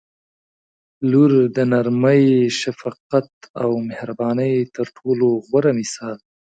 • لور د نرمۍ، شفقت او مهربانۍ تر ټولو غوره مثال دی.